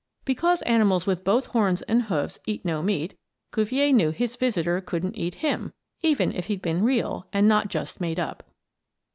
Because animals with both horns and hoofs eat no meat Cuvier knew his visitor couldn't eat him, even if he'd been real and not just made up.